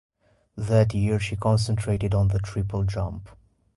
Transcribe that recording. That year, she concentrated on the triple jump.